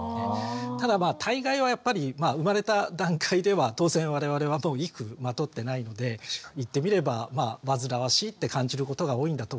ただ大概はやっぱり生まれた段階では当然我々は衣服まとってないので言ってみればわずらわしいって感じることが多いんだと思います。